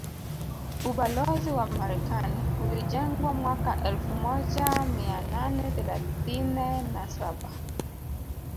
Ubalozi wa Marekani ulijengwa mwaka elfu moja mia nane thelathine na saba